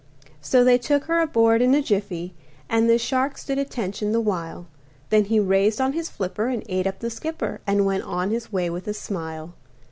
So they took her aboard in a jiffy, And the shark stood attention the while, Then he raised on his flipper and ate up the skipper And went on his way with a smile.